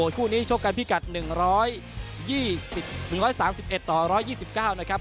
คู่นี้โชคกันพี่กัดหนึ่งร้อยยี่สิบหนึ่งร้อยสามสิบเอ็ดต่อร้อยยี่สิบเก้านะครับ